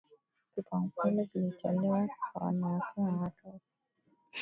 kipaumbele kilitolewa kwa wanawake na watoto